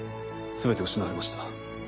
全て失われました。